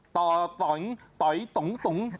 ต่อต้อง